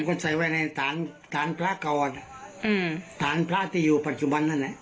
ก็ใส่ไว้ในฐานฐานพระก่อนอืมฐานพระที่อยู่ปัจจุบันนั่นแหละ